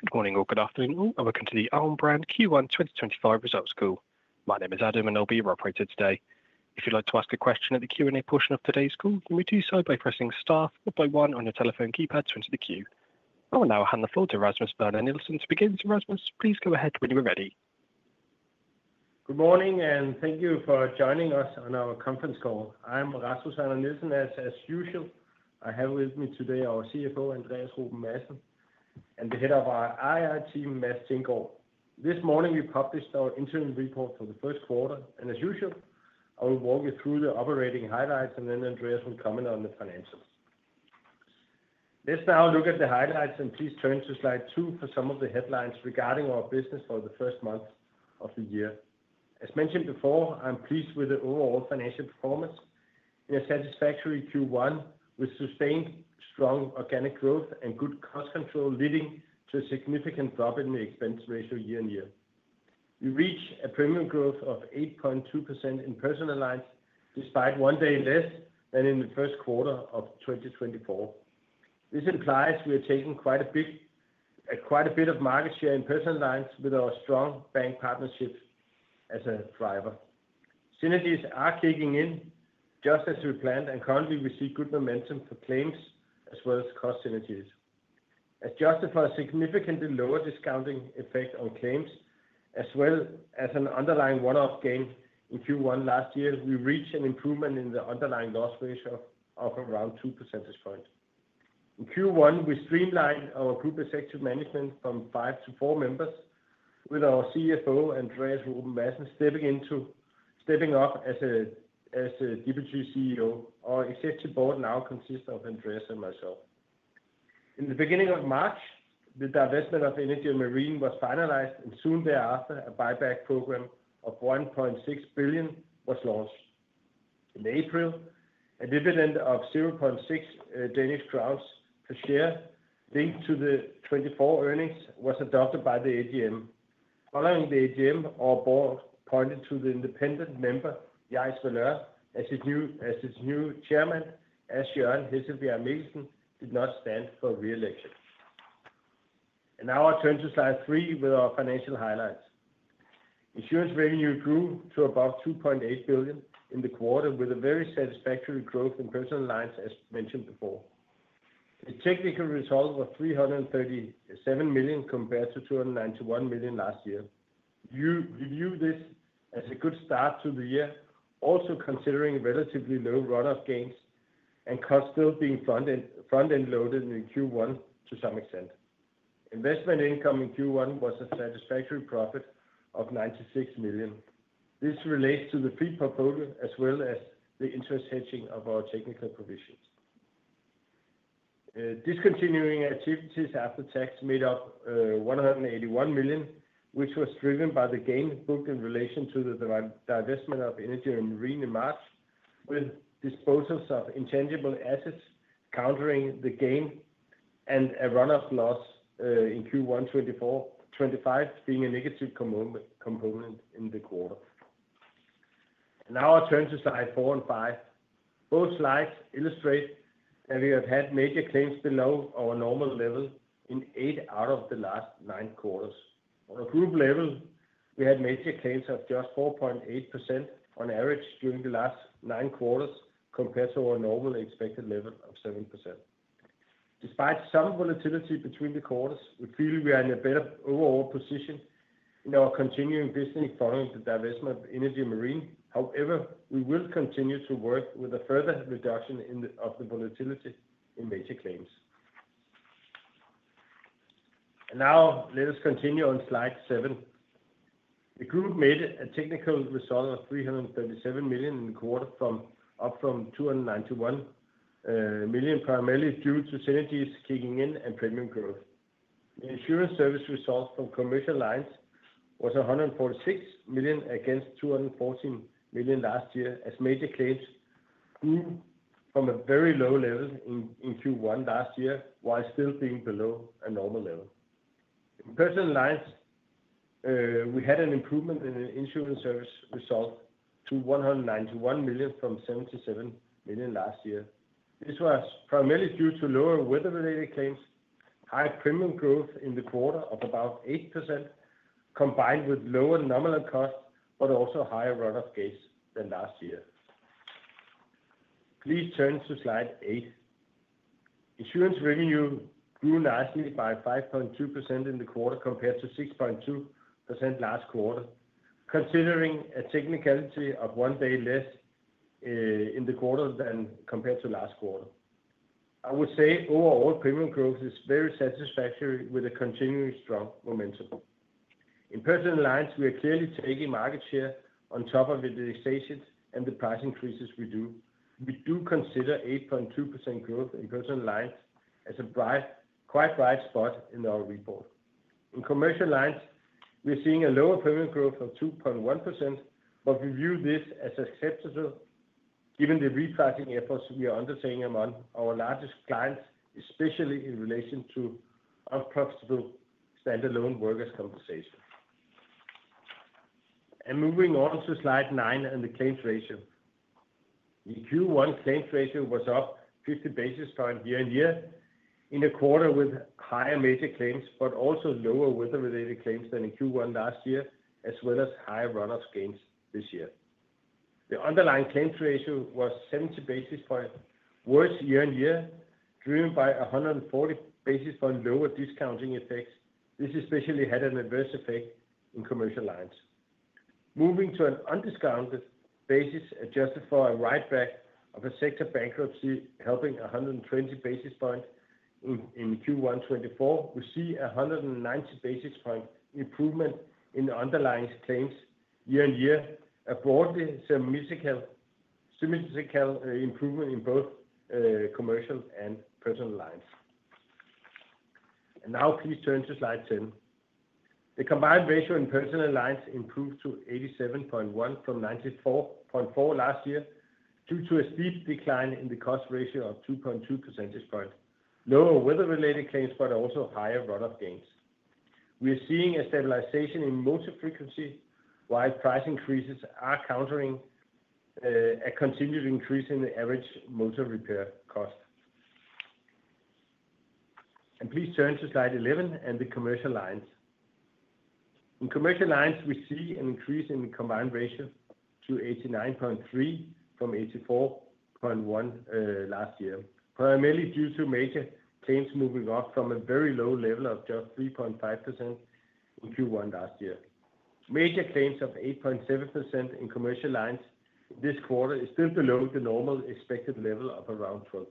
Good morning or good afternoon. Welcome to the Alm. Brand Q1 2025 Results Call. My name is Adam, and I'll be your operator today. If you'd like to ask a question at the Q&A portion of today's call, you may do so by pressing star followed by one on your telephone keypad to enter the queue. I will now hand the floor to Rasmus Werner Nielsen to begin. Rasmus, please go ahead when you're ready. Good morning, and thank you for joining us on our conference call. I'm Rasmus Werner Nielsen, as usual. I have with me today our CFO, Andreas Madsen, and the head of our IR team, Mads Thinggaard. This morning, we published our interim report for the first quarter, and as usual, I will walk you through the operating highlights, and then Andreas will comment on the financials. Let's now look at the highlights, and please turn to Slide 2 for some of the headlines regarding our business for the first month of the year. As mentioned before, I'm pleased with the overall financial performance. We had a satisfactory Q1 with sustained strong organic growth and good cost control, leading to a significant drop in the expense ratio year-on-year. We reached a premium growth of 8.2% Personal Lines despite one day less than in the first quarter of 2024. This implies we are taking quite a bit of market share Personal Lines with our strong bank partnerships as a driver. Synergies are kicking in just as we planned, and currently, we see good momentum for claims as well as cost synergies. Adjusted for significantly lower discounting effect on claims, as well as an underlying one-off gain in Q1 last year, we reached an improvement in the underlying loss ratio of around 2 percentage points. In Q1, we streamlined our group executive management from five to four members, with our CFO, Andreas Madsen, stepping up as a Deputy CEO. Our executive board now consists of Andreas and myself. In the beginning of March, the divestment of Energy & Marine was finalized, and soon thereafter, a buyback program of 1.6 billion was launched. In April, a dividend of 0.6 Danish crowns per share linked to the 2024 earnings was adopted by the AGM. Following the AGM, our board appointed the independent member, Jais Valeur, as its new chairman, as Jørgen Hesselbjerg Mikkelsen did not stand for re-election. I will now turn to Slide 3 with our financial highlights. Insurance revenue grew to above 2.8 billion in the quarter, with a very satisfactory growth Personal Lines, as mentioned before. The technical result was 337 million compared to 291 million last year. We view this as a good start to the year, also considering relatively low run-off gains and costs still being front-end loaded in Q1 to some extent. Investment income in Q1 was a satisfactory profit of 96 million. This relates to the free portfolio as well as the interest hedging of our technical provisions. Discontinued activities after tax made up 181 million, which was driven by the gain booked in relation to the divestment of Energy & Marine in March, with disposals of intangible assets countering the gain and a run-off loss in Q1 2025 being a negative component in the quarter. I will now turn to Slide 4 and 5. Both slides illustrate that we have had major claims below our normal level in eight out of the last nine quarters. On a group level, we had major claims of just 4.8% on average during the last nine quarters compared to our normal expected level of 7%. Despite some volatility between the quarters, we feel we are in a better overall position in our continuing business following the divestment of Energy & Marine. However, we will continue to work with a further reduction of the volatility in major claims. Let us continue on Slide 7. The group made a technical result of 337 million in the quarter, up from 291 million, primarily due to synergies kicking in and premium growth. The insurance service result Commercial Lines was 146 million against 214 million last year, as major claims grew from a very low level in Q1 last year while still being below a normal level. Personal Lines, we had an improvement in the insurance service result to 191 million from 77 million last year. This was primarily due to lower weather-related claims, high premium growth in the quarter of about 8%, combined with lower nominal costs, but also higher run-off gains than last year. Please turn to Slide 8. Insurance revenue grew nicely by 5.2% in the quarter compared to 6.2% last quarter, considering a technicality of one day less in the quarter than compared to last quarter. I would say overall premium growth is very satisfactory with a continuing strong momentum. Personal Lines, we are clearly taking market share on top of the indexations and the price increases we do. We do consider 8.2% growth Personal Lines as a quite bright spot in our report. Commercial Lines, we are seeing a lower premium growth of 2.1%, but we view this as acceptable given the repricing efforts we are undertaking among our largest clients, especially in relation to unprofitable standalone workers' compensation. Moving on to Slide 9 and the claims ratio. The Q1 claims ratio was up 50 basis points year-on-year in the quarter, with higher major claims, but also lower weather-related claims than in Q1 last year, as well as higher run-off gains this year. The underlying claims ratio was 70 basis points worse year-on-year, driven by 140 basis points lower discounting effects. This especially had an adverse effect Commercial Lines. moving to an undiscounted basis adjusted for a write-back of a sector bankruptcy, helping 120 basis points in Q1 2024, we see a 190 basis point improvement in underlying claims year-on-year. A broadly symmetrical improvement in both Commercial and Personal Lines. now please turn to Slide 10. The combined ratio Personal Lines improved to 87.1 from 94.4 last year due to a steep decline in the cost ratio of 2.2 percentage points. Lower weather-related claims, but also higher run-off gains. We are seeing a stabilization in motor frequency while price increases are countering a continued increase in the average motor repair cost. Please turn to Slide 11 and Commercial Lines, we see an increase in the combined ratio to 89.3% from 84.1% last year, primarily due to major claims moving up from a very low level of just 3.5% in Q1 last year. Major claims of 8.7% Commercial Lines this quarter is still below the normal expected level of around 12%.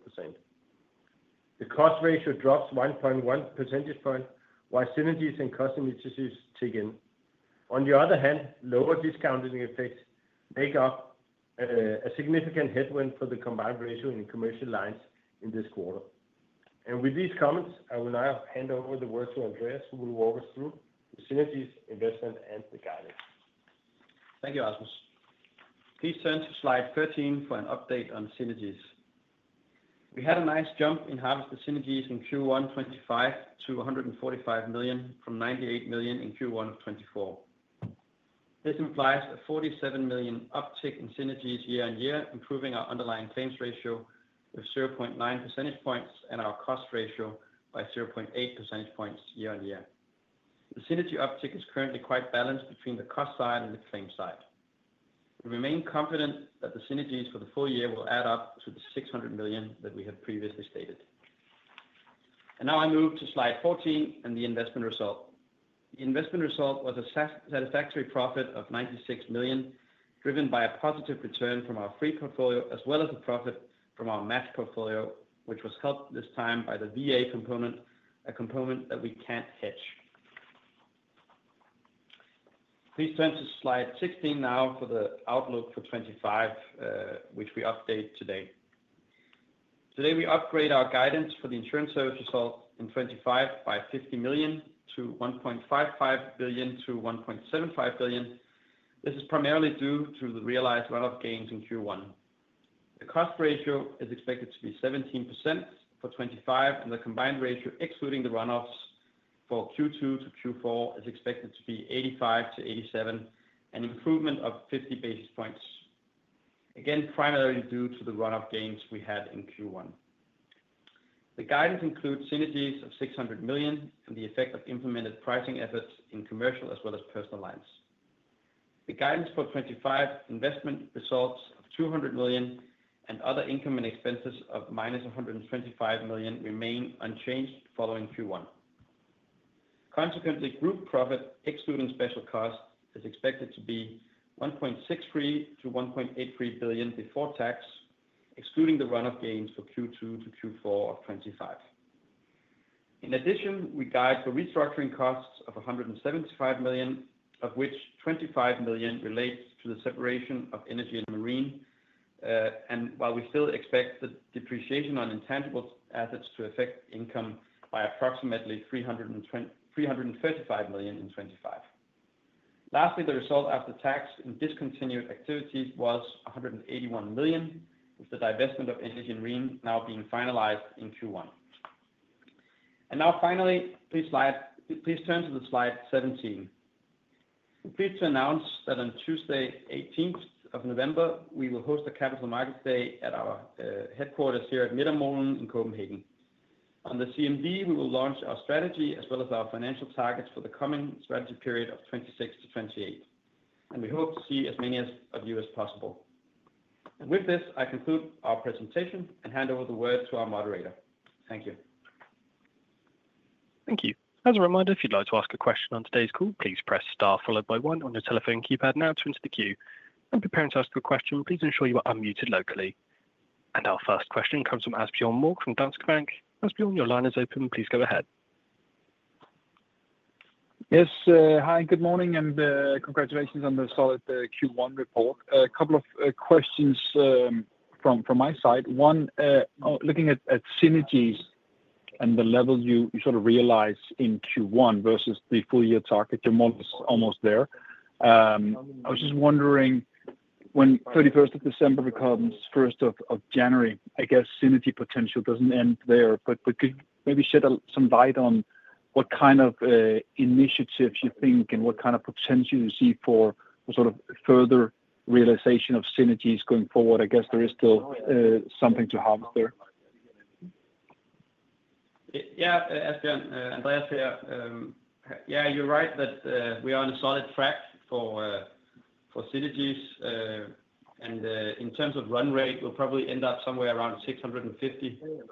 The cost ratio drops 1.1 percentage points while synergies and cost synergies kick in. On the other hand, lower discounting effects make up a significant headwind for the combined ratio Commercial Lines in this quarter. With these comments, I will now hand over the word to Andreas, who will walk us through the synergies, investment, and the guidance. Thank you, Rasmus. Please turn to Slide 13 for an update on synergies. We had a nice jump in harvested synergies in Q1 2025 to 145 million from 98 million in Q1 2024. This implies a 47 million uptick in synergies year-on-year, improving our underlying claims ratio with 0.9 percentage points and our cost ratio by 0.8 percentage points year-on-year. The synergy uptick is currently quite balanced between the cost side and the claim side. We remain confident that the synergies for the full year will add up to the 600 million that we had previously stated. Now I move to Slide 14 and the investment result. The investment result was a satisfactory profit of 96 million, driven by a positive return from our free portfolio as well as the profit from our match portfolio, which was helped this time by the VA component, a component that we can't hedge. Please turn to Slide 16 now for the outlook for 2025, which we update today. Today, we upgrade our guidance for the insurance service result in 2025 by 50 million to 1.55 billion-1.75 billion. This is primarily due to the realized run-off gains in Q1. The cost ratio is expected to be 17% for 2025, and the combined ratio, excluding the run-offs for Q2 to Q4, is expected to be 85%-87%, an improvement of 50 basis points, again primarily due to the run-off gains we had in Q1. The guidance includes synergies of 600 million and the effect of implemented pricing efforts in Commercial as well Personal Lines. the guidance for 2025 investment results of 200 million and other income and expenses of -125 million remain unchanged following Q1. Consequently, group profit, excluding special costs, is expected to be 1.63 billion-1.83 billion before tax, excluding the run-off gains for Q2 to Q4 of 2025. In addition, we guide for restructuring costs of 175 million, of which 25 million relates to the separation of Energy & Marine, and while we still expect the depreciation on intangible assets to affect income by approximately 335 million in 2025. Lastly, the result after tax and discontinued activities was 181 million, with the divestment of Energy & Marine now being finalized in Q1. Please turn to Slide 17. We're pleased to announce that on Tuesday, 18th of November, we will host the Capital Markets Day at our headquarters here at Midtermolen in Copenhagen. On the CMD, we will launch our strategy as well as our financial targets for the coming strategy period of 2026 to 2028, and we hope to see as many of you as possible. With this, I conclude our presentation and hand over the word to our moderator. Thank you. Thank you. As a reminder, if you'd like to ask a question on today's call, please press star followed by one on your telephone keypad now to enter the queue. Preparing to ask a question, please ensure you are unmuted locally. Our first question comes from Asbjørn Mørk from Danske Bank. Asbjørn, your line is open. Please go ahead. Yes. Hi. Good morning and congratulations on the solid Q1 report. A couple of questions from my side. One, looking at synergies and the level you sort of realize in Q1 versus the full-year target, you're almost there. I was just wondering, when 31st of December becomes 1st of January, I guess synergy potential doesn't end there. Could you maybe shed some light on what kind of initiatives you think and what kind of potential you see for sort of further realization of synergies going forward? I guess there is still something to harvest there. Yeah. Asbjørn, Andreas here. Yeah, you're right that we are on a solid track for synergies. In terms of run rate, we'll probably end up somewhere around 650 million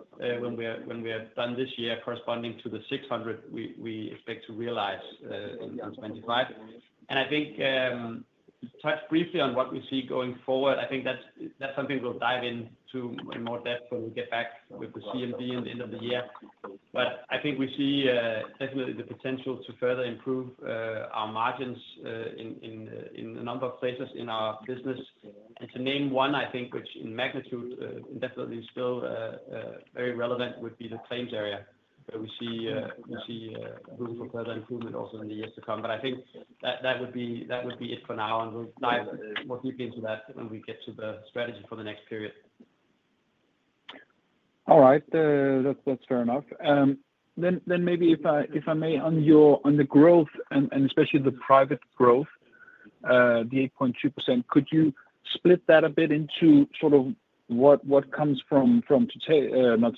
when we are done this year, corresponding to the 600 million we expect to realize in 2025. I think you touched briefly on what we see going forward. I think that's something we'll dive into in more depth when we get back with the CMD at the end of the year. I think we see definitely the potential to further improve our margins in a number of places in our business. To name one, I think, which in magnitude and definitely still very relevant, would be the claims area where we see room for further improvement also in the years to come. I think that would be it for now, and we'll dive more deeply into that when we get to the strategy for the next period. All right. That's fair enough. Then maybe, if I may, on the growth and especially the private growth, the 8.2%, could you split that a bit into sort of what comes from, not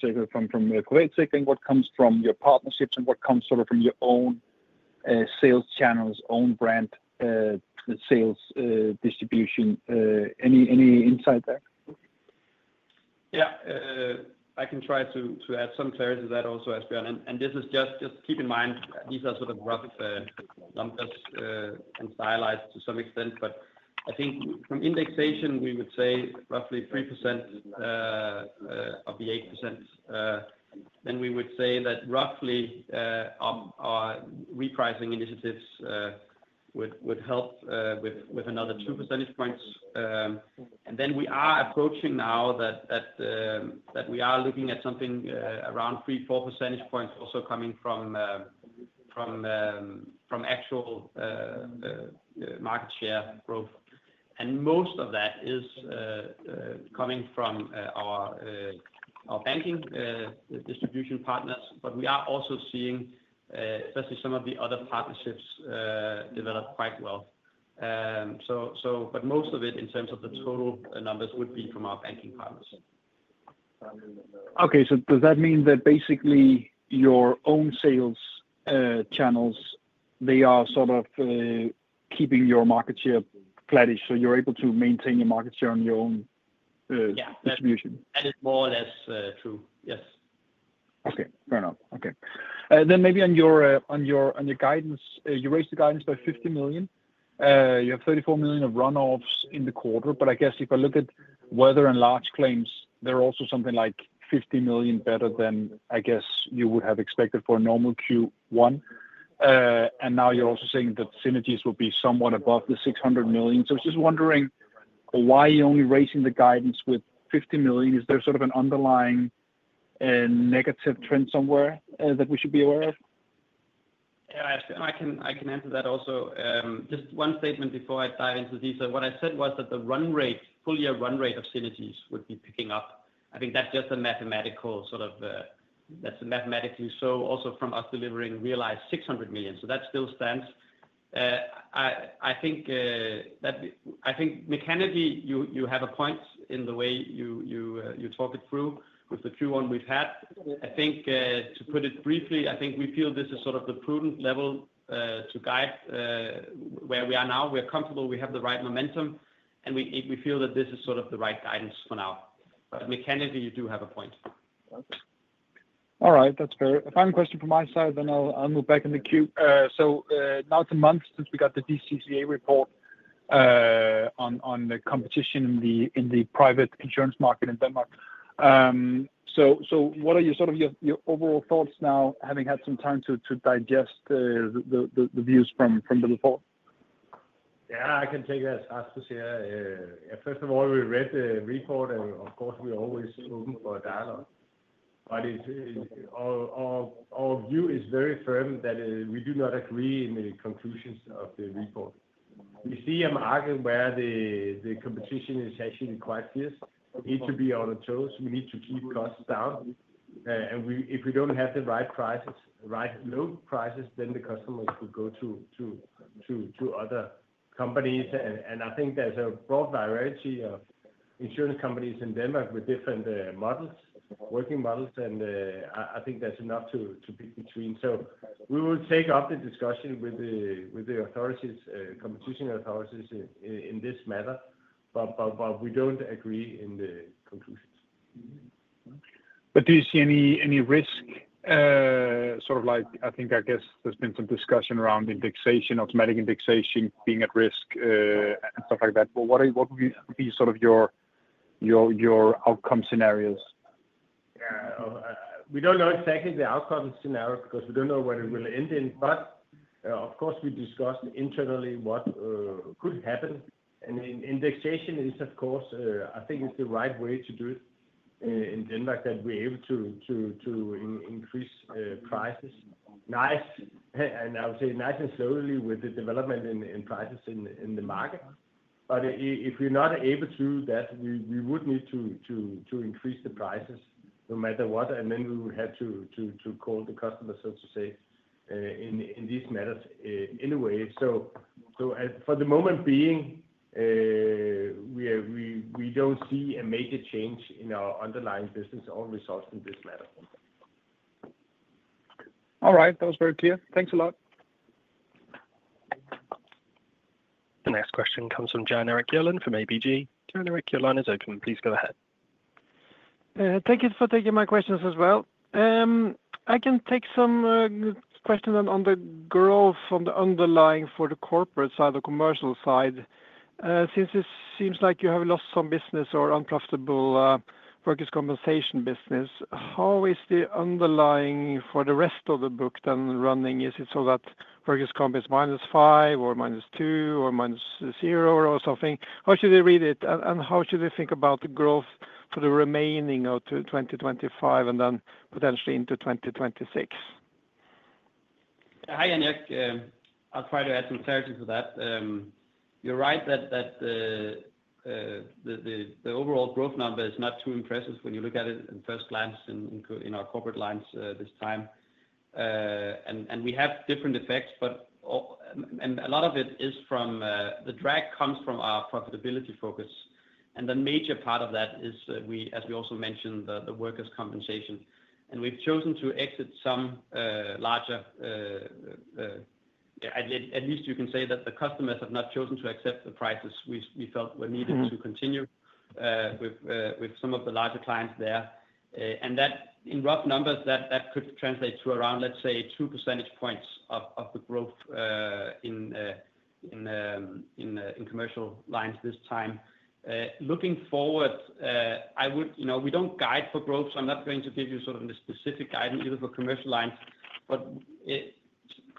say from Codan's side, but what comes from your partnerships and what comes sort of from your own sales channels, own brand sales distribution? Any insight there? Yeah. I can try to add some clarity to that also, Asbjørn. This is just keep in mind, these are sort of rough numbers and stylized to some extent. I think from indexation, we would say roughly 3% of the 8%. We would say that roughly our repricing initiatives would help with another 2 percentage points. We are approaching now that we are looking at something around 3 percentage points-4 percentage points also coming from actual market share growth. Most of that is coming from our banking distribution partners. We are also seeing, especially some of the other partnerships, develop quite well. Most of it, in terms of the total numbers, would be from our banking partners. Okay. Does that mean that basically your own sales channels, they are sort of keeping your market share flattish, so you're able to maintain your market share on your own distribution? Yeah. That is more or less true. Yes. Okay. Fair enough. Okay. Then maybe on your guidance, you raised the guidance by 50 million. You have 34 million of run-offs in the quarter. I guess if I look at weather and large claims, they are also something like 50 million better than, I guess, you would have expected for a normal Q1. Now you are also saying that synergies would be somewhat above the 600 million. I was just wondering why you are only raising the guidance with 50 million. Is there sort of an underlying negative trend somewhere that we should be aware of? Yeah. I can answer that also. Just one statement before I dive into these. What I said was that the run rate, full-year run rate of synergies would be picking up. I think that's just a mathematical sort of that's mathematically so also from us delivering realized 600 million. That still stands. I think mechanically, you have a point in the way you talk it through with the Q1 we've had. To put it briefly, I think we feel this is sort of the prudent level to guide where we are now. We're comfortable. We have the right momentum. We feel that this is sort of the right guidance for now. Mechanically, you do have a point. All right. That's fair. If I have a question from my side, then I'll move back in the queue. Now it's a month since we got the DCCA report on the competition in the private insurance market in Denmark. What are sort of your overall thoughts now, having had some time to digest the views from the report? Yeah. I can take that, Rasmus. Yeah. First of all, we read the report, and of course, we're always open for a dialogue. Our view is very firm that we do not agree in the conclusions of the report. We see a market where the competition is actually quite fierce. We need to be on our toes. We need to keep costs down. If we don't have the right prices, right low prices, then the customers will go to other companies. I think there's a broad variety of insurance companies in Denmark with different models, working models. I think that's enough to pick between. We will take up the discussion with the competition authorities in this matter, but we don't agree in the conclusions. Do you see any risk, sort of like, I think, I guess there's been some discussion around automatic indexation being at risk and stuff like that. What would be sort of your outcome scenarios? Yeah. We do not know exactly the outcome scenario because we do not know where it will end in. Of course, we discussed internally what could happen. Indexation is, of course, I think it is the right way to do it in Denmark, that we are able to increase prices nice, and I would say nice and slowly with the development in prices in the market. If we are not able to do that, we would need to increase the prices no matter what. We would have to call the customers, so to say, in these matters anyway. For the moment being, we do not see a major change in our underlying business or results in this matter. All right. That was very clear. Thanks a lot. The next question comes from Jan Erik Gjerland from ABG. Jan Erik your line is open. Please go ahead. Thank you for taking my questions as well. I can take some questions on the growth on the underlying for the corporate side, the Commercial side. Since it seems like you have lost some business or unprofitable workers' compensation business, how is the underlying for the rest of the book then running? Is it so that workers' comp is -5 or -2 or -0 or something? How should they read it? How should they think about the growth for the remaining of 2025 and then potentially into 2026? Hi, Jan Erik. I'll try to add some clarity to that. You're right that the overall growth number is not too impressive when you look at it at first glance in our corporate lines this time. We have different effects, but a lot of it is from the drag comes from our profitability focus. The major part of that is, as we also mentioned, the workers' compensation. We've chosen to exit some larger, at least you can say that the customers have not chosen to accept the prices we felt were needed to continue with some of the larger clients there. In rough numbers, that could translate to around, let's say, 2 percentage points of the growth Commercial Lines this time. Looking forward, we don't guide for growth, so I'm not going to give you sort of the specific guidance either for Commercial Lines.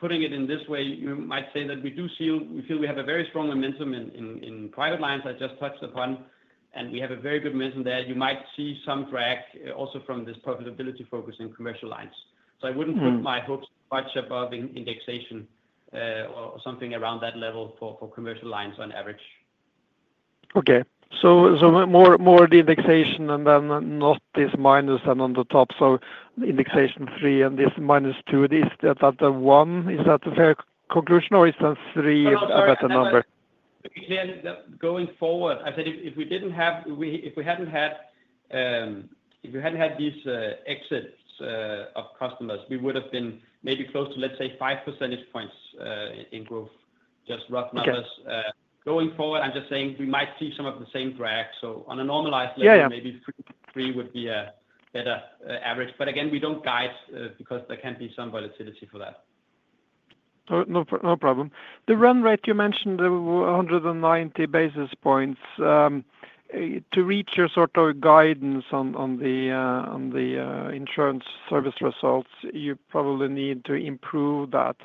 Putting it in this way, you might say that we feel we have a very strong momentum in Private Lines I just touched upon, and we have a very good momentum there. You might see some drag also from this profitability focus Commercial Lines. i would not put my hopes much above indexation or something around that level Commercial Lines on average. Okay. More the indexation and then not this minus then on the top. Indexation three and this minus two, is that a one? Is that a fair conclusion, or is the three a better number? Going forward, I said if we hadn't had these exits of customers, we would have been maybe close to, let's say, 5 percentage points in growth, just rough numbers. Going forward, I'm just saying we might see some of the same drag. On a normalized level, maybe 3% would be a better average. Again, we don't guide because there can be some volatility for that. No problem. The run rate, you mentioned 190 basis points. To reach your sort of guidance on the insurance service results, you probably need to improve that.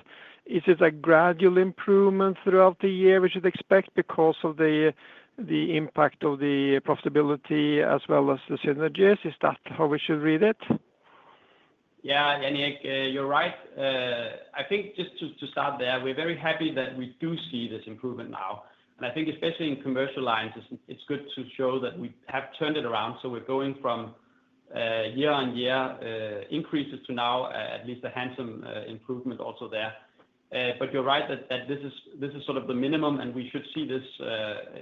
Is it a gradual improvement throughout the year we should expect because of the impact of the profitability as well as the synergies? Is that how we should read it? Yeah. Jan Erik, you're right. I think just to start there, we're very happy that we do see this improvement now. I think especially Commercial Lines, it's good to show that we have turned it around. We're going from year-on-year increases to now at least a handsome improvement also there. You're right that this is sort of the minimum, and we should see this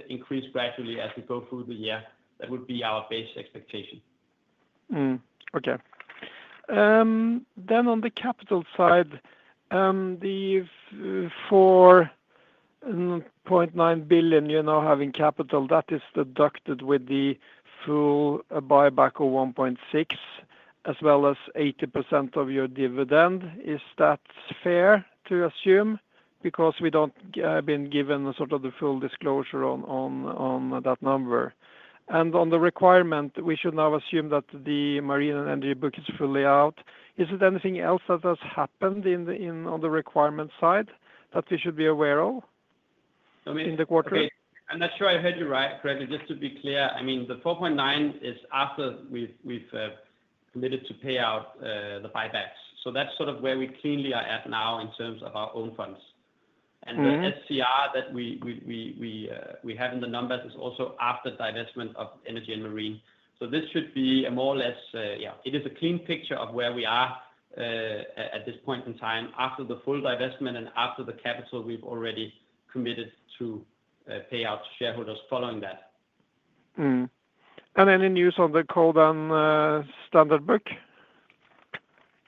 increase gradually as we go through the year. That would be our base expectation. Okay. On the capital side, 4.9 billion you're now having capital that is deducted with the full buyback of 1.6 billion as well as 80% of your dividend. Is that fair to assume? Because we have not been given sort of the full disclosure on that number. On the requirement, we should now assume that the Energy & Marine book is fully out. Is there anything else that has happened on the requirement side that we should be aware of in the quarter? I'm not sure I heard you right, correct me. Just to be clear, I mean, the 4.9 is after we've committed to pay out the buybacks. That is sort of where we cleanly are at now in terms of our own funds. The SCR that we have in the numbers is also after divestment of Energy & Marine. This should be a more or less, yeah, it is a clean picture of where we are at this point in time after the full divestment and after the capital we've already committed to pay out to shareholders following that. Any news on the Codan standard book?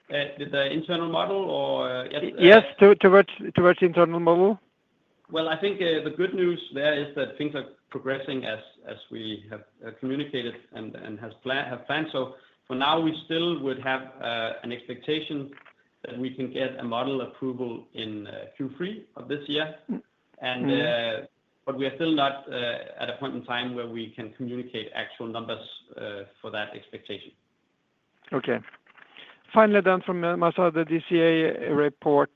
The internal model or? Yes, towards the internal model. I think the good news there is that things are progressing as we have communicated and have planned. For now, we still would have an expectation that we can get a model approval in Q3 of this year. We are still not at a point in time where we can communicate actual numbers for that expectation. Okay. Finally, then from my side, the DCCA report,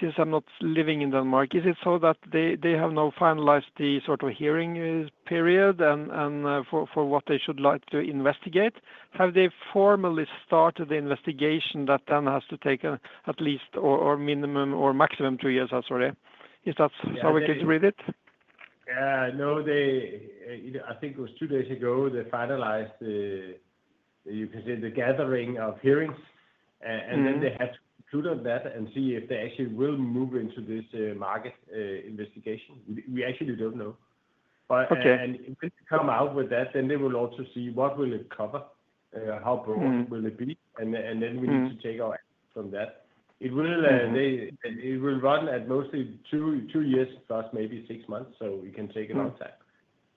since I'm not living in Denmark, is it so that they have now finalized the sort of hearing period and for what they should like to investigate? Have they formally started the investigation that then has to take at least or minimum or maximum two years, I'm sorry, is that how we can read it? Yeah. No, I think it was two days ago they finalized the, you can say, the gathering of hearings. They had to include on that and see if they actually will move into this market investigation. We actually do not know. When they come out with that, they will also see what will it cover, how broad will it be. We need to take our action from that. It will run at mostly two years plus maybe six months, so it can take a long time.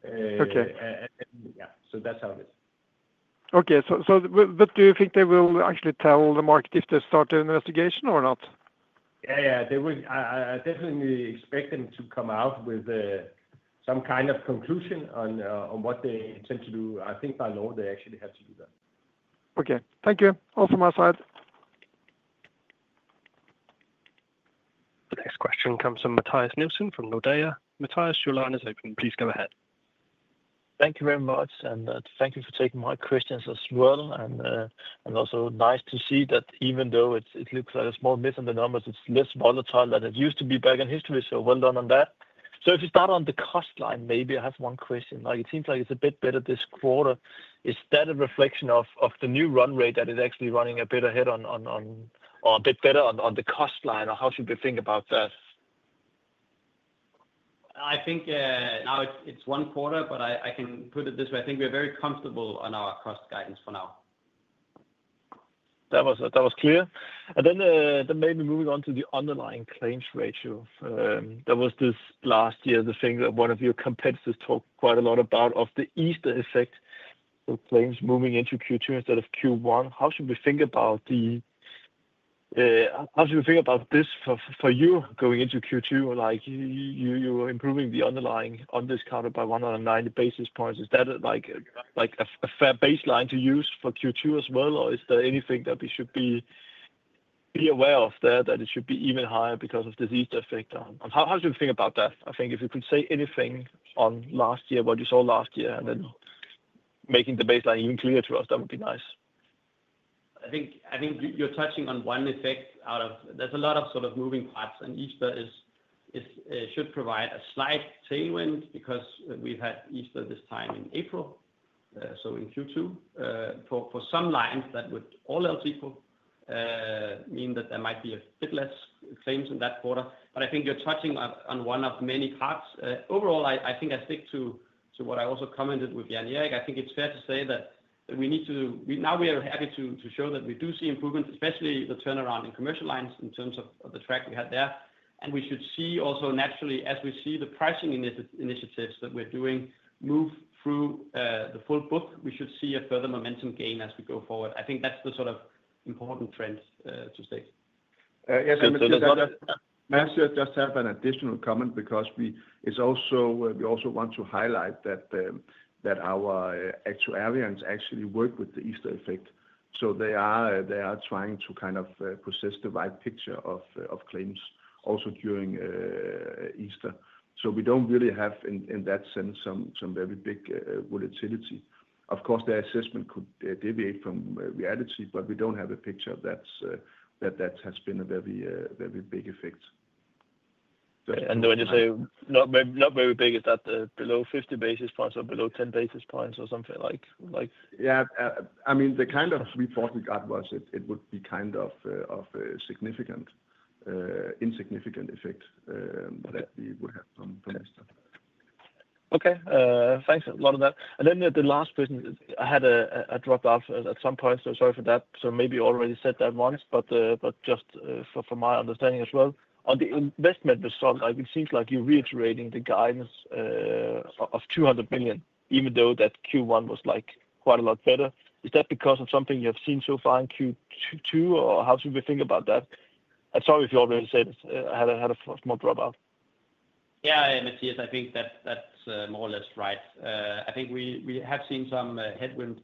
Yeah. That is how it is. Okay. What do you think they will actually tell the market if they start an investigation or not? Yeah. Yeah. I definitely expect them to come out with some kind of conclusion on what they intend to do. I think by now they actually have to do that. Okay. Thank you. All from my side. The next question comes from Mathias Nielsen from Nordea. Mathias, your line is open. Please go ahead. Thank you very much. Thank you for taking my questions as well. Also nice to see that even though it looks like a small miss on the numbers, it's less volatile than it used to be back in history. Well done on that. If you start on the cost line, maybe I have one question. It seems like it's a bit better this quarter. Is that a reflection of the new run rate that it's actually running a bit ahead on or a bit better on the cost line? Or how should we think about that? I think now it's one quarter, but I can put it this way. I think we're very comfortable on our cost guidance for now. That was clear. Maybe moving on to the underlying claims ratio. There was this last year the thing that one of your competitors talked quite a lot about, the Easter effect. Claims moving into Q2 instead of Q1. How should we think about this for you going into Q2? You're improving the underlying on this counter by 190 basis points. Is that a fair baseline to use for Q2 as well? Is there anything that we should be aware of there, that it should be even higher because of this Easter effect? How should we think about that? If you could say anything on last year, what you saw last year, and then making the baseline even clearer to us, that would be nice. I think you're touching on one effect out of there's a lot of sort of moving parts. Easter should provide a slight tailwind because we've had Easter this time in April, so in Q2. For some lines, that would all else equal mean that there might be a bit less claims in that quarter. I think you're touching on one of many parts. Overall, I think I stick to what I also commented with Jan Erik. I think it's fair to say that we need to now we are happy to show that we do see improvements, especially the turnaround Commercial Lines in terms of the track we had there. We should see also naturally, as we see the pricing initiatives that we're doing move through the full book, we should see a further momentum gain as we go forward. I think that's the sort of important trend to state. Yes. Mathias just had an additional comment because we also want to highlight that our actuaries actually work with the Easter effect. They are trying to kind of possess the right picture of claims also during Easter. We do not really have in that sense some very big volatility. Of course, their assessment could deviate from reality, but we do not have a picture that has been a very big effect. When you say not very big, is that below 50 basis points or below 10 basis points or something like that? Yeah. I mean, the kind of report we got was it would be kind of a significant, insignificant effect that we would have from Easter. Okay. Thanks. A lot of that. The last question, I had a drop out at some point, so sorry for that. Maybe you already said that once, but just for my understanding as well. On the investment result, it seems like you're reiterating the guidance of 200 million, even though that Q1 was quite a lot better. Is that because of something you have seen so far in Q2, or how should we think about that? Sorry if you already said it. I had a small drop out. Yeah. Mathias, I think that's more or less right. I think we have seen some headwind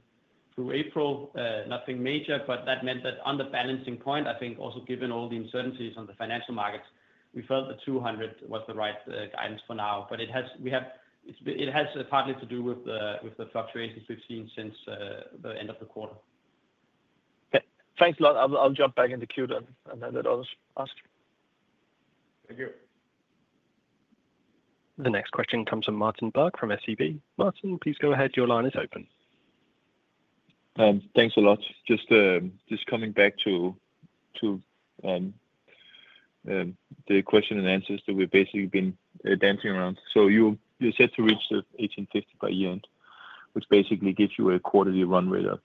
through April, nothing major, but that meant that on the balancing point, I think also given all the uncertainties on the financial markets, we felt the 200 was the right guidance for now. It has partly to do with the fluctuations we've seen since the end of the quarter. Okay. Thanks a lot. I'll jump back into queue then and let others ask. Thank you. The next question comes from Martin Parkhøi from SEB. Martin, please go ahead. Your line is open. Thanks a lot. Just coming back to the question and answers that we've basically been dancing around. You are set to reach the 1,850 by year-end, which basically gives you a quarterly run rate of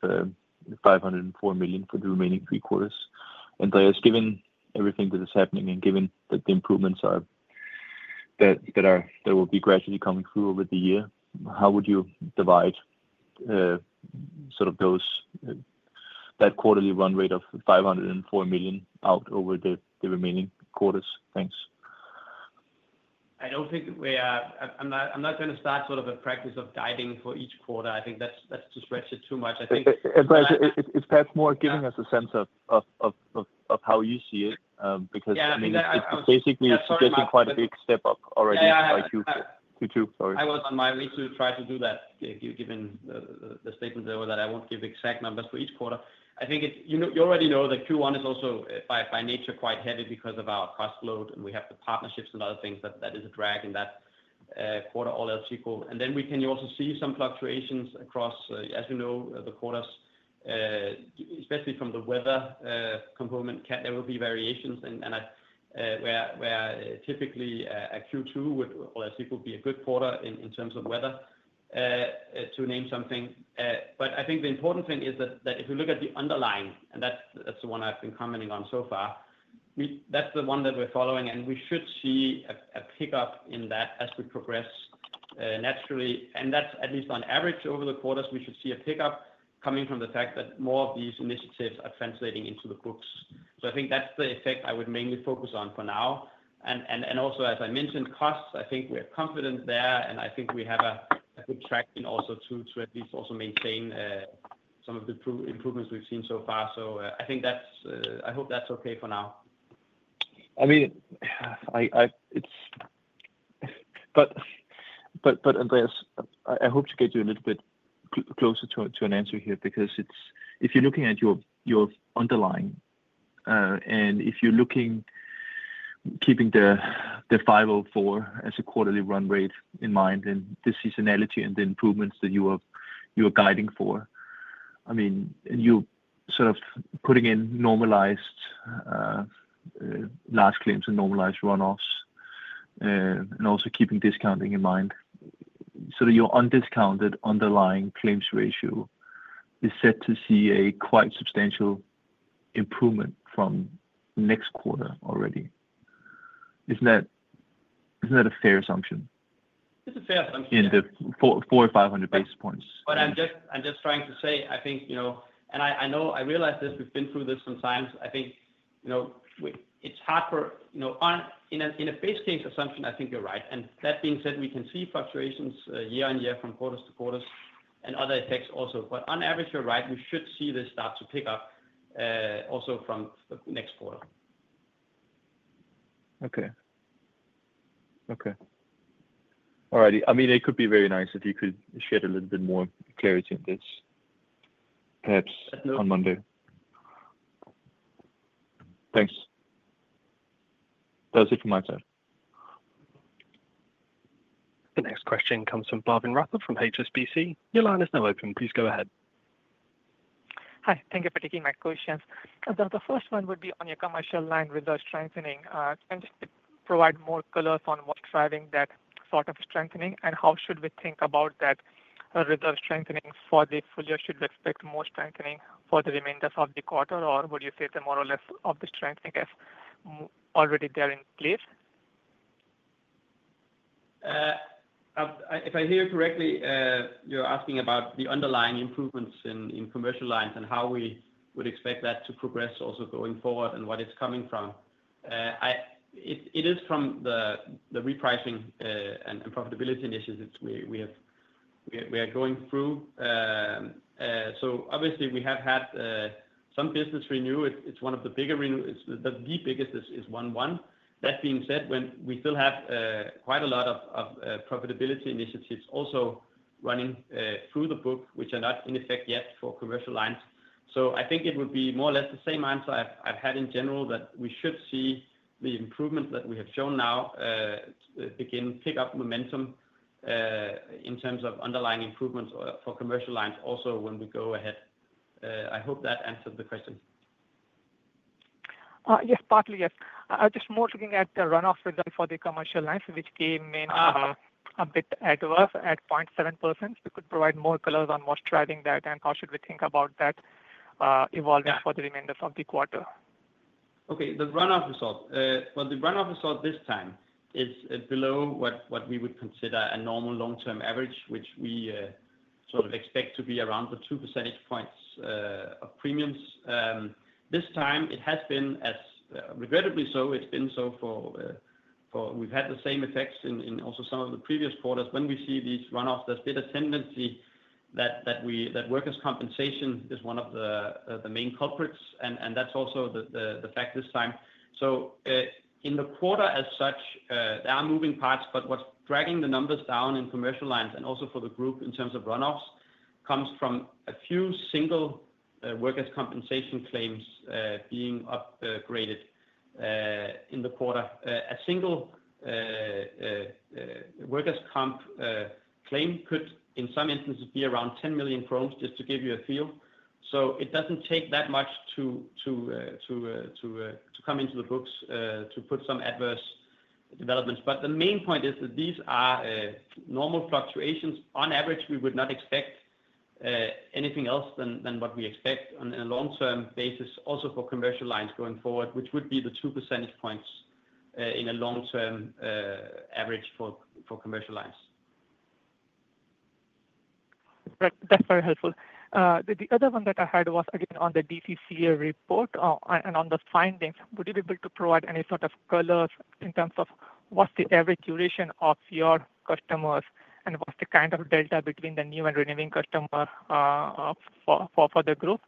504 million for the remaining three quarters. Given everything that is happening and given that the improvements that will be gradually coming through over the year, how would you divide sort of that quarterly run rate of 504 million out over the remaining quarters? Thanks. I don't think we are. I'm not going to start sort of a practice of guiding for each quarter. I think that's to stretch it too much. I think. it's perhaps more giving us a sense of how you see it because I mean, it's basically suggesting quite a big step up already by Q2. Sorry. I was on my way to try to do that, given the statement there that I won't give exact numbers for each quarter. I think you already know that Q1 is also by nature quite heavy because of our cost load, and we have the partnerships and other things that is a drag in that quarter all else equal. We can also see some fluctuations across, as we know, the quarters, especially from the weather component. There will be variations where typically a Q2 would, all else equal, be a good quarter in terms of weather, to name something. I think the important thing is that if you look at the underlying, and that's the one I've been commenting on so far, that's the one that we're following, and we should see a pickup in that as we progress naturally. At least on average over the quarters, we should see a pickup coming from the fact that more of these initiatives are translating into the books. I think that's the effect I would mainly focus on for now. Also, as I mentioned, costs, I think we're confident there, and I think we have a good tracking also to at least also maintain some of the improvements we've seen so far. I hope that's okay for now. I mean, but Andreas, I hope to get you a little bit closer to an answer here because if you're looking at your underlying and if you're looking, keeping the 504 million as a quarterly run rate in mind, then this is analogy and the improvements that you are guiding for. I mean, and you're sort of putting in normalized large claims and normalized run-offs and also keeping discounting in mind. So your undiscounted underlying claims ratio is set to see a quite substantial improvement from next quarter already. Isn't that a fair assumption? It's a fair assumption. In the 400 or 500 basis points. I am just trying to say, I think, and I know I realize this, we have been through this sometimes. I think it is hard for in a base case assumption, I think you are right. That being said, we can see fluctuations year-on-year from quarter-to-quarter and other effects also. On average, you are right. We should see this start to pick up also from next quarter. Okay. Okay. All righty. I mean, it could be very nice if you could shed a little bit more clarity on this perhaps on Monday. Thanks. That was it from my side. The next question comes from Bhavin Rathod from HSBC. Your line is now open. Please go ahead. Hi. Thank you for taking my questions. The first one would be on your Commercial Line reserve strengthening. Can you provide more colors on what's driving that sort of strengthening? How should we think about that reserve strengthening for the full year? Should we expect more strengthening for the remainder of the quarter, or would you say the more or less of the strengthening is already there in place? If I hear you correctly, you're asking about the underlying improvements Commercial Lines and how we would expect that to progress also going forward and what it's coming from. It is from the repricing and profitability initiatives we are going through. Obviously, we have had some business renew. It's one of the bigger renew. The biggest is 1.1. That being said, we still have quite a lot of profitability initiatives also running through the book, which are not in effect yet Commercial Lines. i think it would be more or less the same answer I've had in general that we should see the improvement that we have shown now begin, pick up momentum in terms of underlying improvements Commercial Lines also when we go ahead. I hope that answered the question. Yes, partly yes. I was just more looking at the run-off for Commercial Lines, which came in a bit worse at 0.7%. We could provide more colors on what's driving that, and how should we think about that evolving for the remainder of the quarter? Okay. The runoff result, well, the runoff result this time is below what we would consider a normal long-term average, which we sort of expect to be around the 2 percentage points of premiums. This time, it has been as regrettably so. It's been so for we've had the same effects in also some of the previous quarters. When we see these runoffs, there's been a tendency that workers' compensation is one of the main culprits, and that's also the fact this time. In the quarter as such, there are moving parts, but what's dragging the numbers down Commercial Lines and also for the group in terms of runoffs comes from a few single workers' compensation claims being upgraded in the quarter. A single workers' comp claim could, in some instances, be around 10 million, just to give you a feel. It does not take that much to come into the books to put some adverse developments. The main point is that these are normal fluctuations. On average, we would not expect anything else than what we expect on a long-term basis also Commercial Lines going forward, which would be the 2 percentage points in a long-term average for Commercial Lines. That's very helpful. The other one that I had was, again, on the DCCA report and on the findings. Would you be able to provide any sort of colors in terms of what's the average duration of your customers and what's the kind of delta between the new and renewing customers for the group?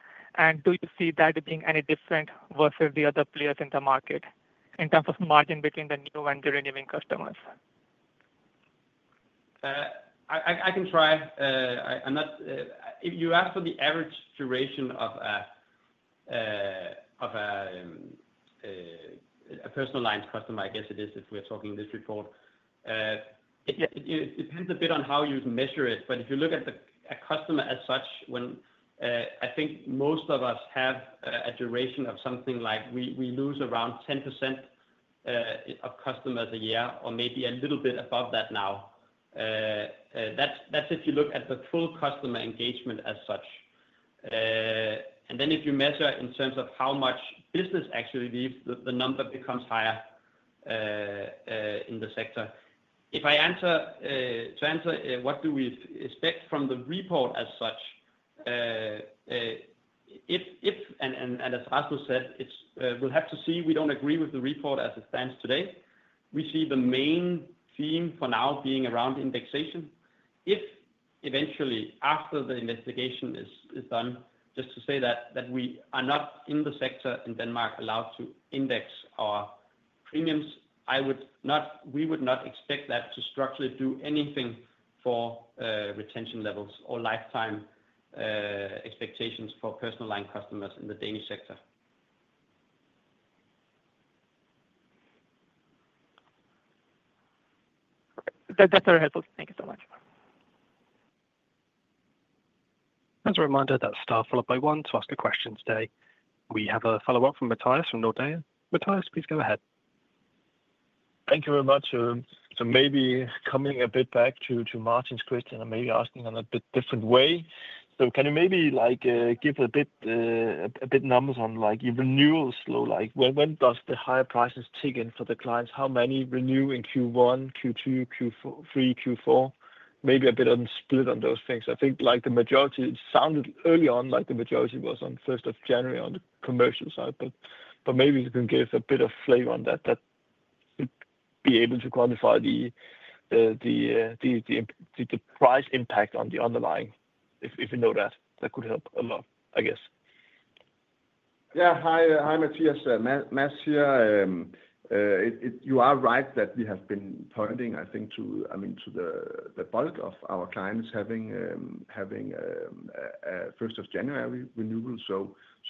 Do you see that being any different versus the other players in the market in terms of margin between the new and the renewing customers? I can try. You asked for the average duration of Personal Lines customer, I guess it is if we're talking this report. It depends a bit on how you measure it. If you look at a customer as such, I think most of us have a duration of something like we lose around 10% of customers a year or maybe a little bit above that now. That's if you look at the full customer engagement as such. If you measure in terms of how much business actually leaves, the number becomes higher in the sector. If I answer to answer what do we expect from the report as such, if, and as Rasmus said, we'll have to see. We don't agree with the report as it stands today. We see the main theme for now being around indexation. If eventually, after the investigation is done, just to say that we are not in the sector in Denmark allowed to index our premiums, we would not expect that to structurally do anything for retention levels or lifetime expectations for Personal Line customers in the Danish sector. That's very helpful. Thank you so much. As a reminder, that's star followed by one to ask a question today. We have a follow-up from Mathias from Nordea. Mathias, please go ahead. Thank you very much. Maybe coming a bit back to Martin's question and maybe asking in a bit different way. Can you maybe give a bit numbers on your renewal flow? When does the higher prices kick in for the clients? How many renew in Q1, Q2, Q3, Q4? Maybe a bit of a split on those things. I think the majority sounded early on like the majority was on 1st of January on the Commercial side, but maybe you can give a bit of flavor on that. That would be able to quantify the price impact on the underlying, if you know that. That could help a lot, I guess. Yeah. Hi, Mathias. Mads here. You are right that we have been pointing, I think, to, I mean, to the bulk of our clients having 1st of January renewal.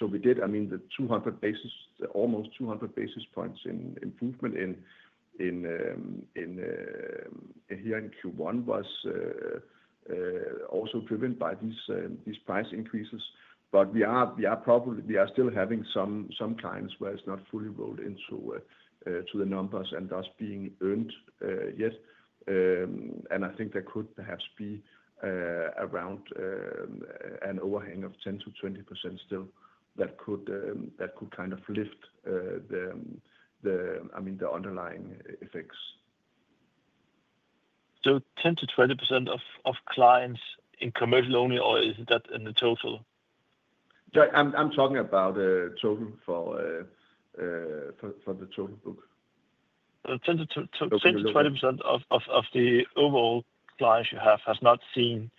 We did, I mean, the 200 basis, almost 200 basis points improvement here in Q1 was also driven by these price increases. We are probably still having some clients where it is not fully rolled into the numbers and thus being earned yet. I think there could perhaps be around an overhang of 10%-20% still that could kind of lift the, I mean, the underlying effects. Is 10%-20% of clients in Commercial only, or is that in the total? Yeah. I'm talking about total for the total book. 10%-20% of the overall clients you have has not seen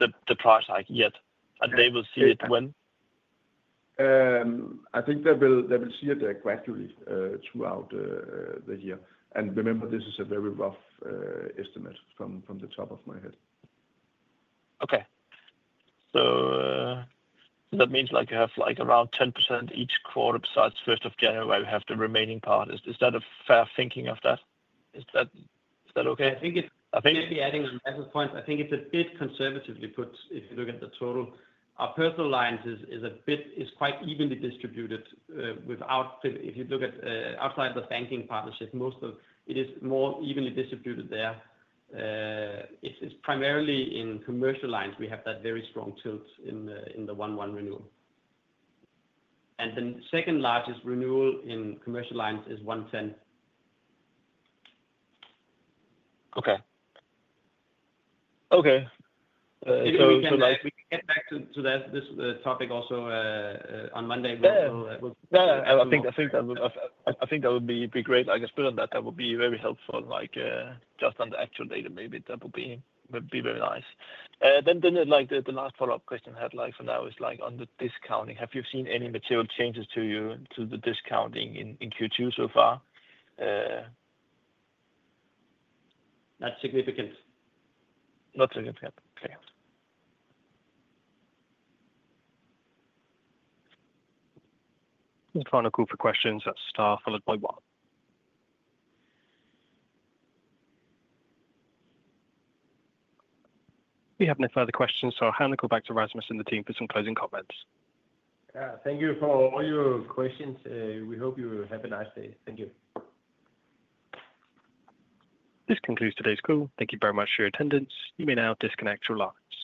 the price hike yet, and they will see it when? I think they will see it gradually throughout the year. Remember, this is a very rough estimate from the top of my head. Okay. That means you have around 10% each quarter besides 1st of January have the remaining part. Is that a fair thinking of that? Is that okay? I think it's maybe adding on that point. I think it's a bit conservatively put if you look at the total. Personal Lines is quite evenly distributed without, if you look at outside the banking partnership, most of it is more evenly distributed there. It's primarily Commercial Lines we have that very strong tilt in the 1.1 renewal. The second largest renewal in Commercial Lines is 1.10. Okay. Okay. So like. If you can get back to this topic also on Monday, we'll. Yeah. I think that would be great. I can spit on that. That would be very helpful. Just on the actual data, maybe that would be very nice. The last follow-up question I had for now is on the discounting. Have you seen any material changes to the discounting in Q2 so far? Not significant. Not significant. Okay. I'm trying to group the questions at star followed by one. We have no further questions, so I'll hand the call back to Rasmus and the team for some closing comments. Thank you for all your questions. We hope you have a nice day. Thank you. This concludes today's call. Thank you very much for your attendance. You may now disconnect or last.